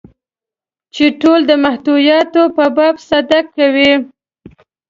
چې ټول د محتویاتو په باب صدق کوي.